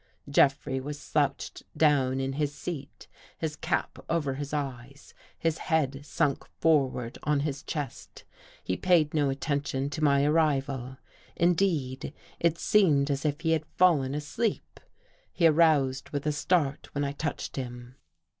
Jeffrey was slouched down in his seat, his cap over his eyes, his head sunk forward on his chest. He paid no attenion to my arrival. Indeed, it seemed as if he had fallen asleep. He aroused with a start when I touched him.